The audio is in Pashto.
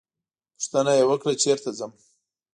پوښتنه یې وکړه چېرته ځم.